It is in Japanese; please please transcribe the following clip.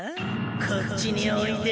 こっちにおいで。